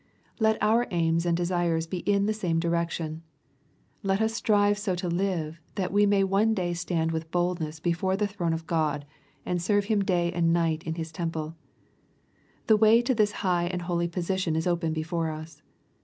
Let our aims and desires be in the same direction. Let us strive so to live, that we may one day stand with boldness before the throne ot God, and serve Him day and night Iq His temple. The way to this high and holy position is open before us.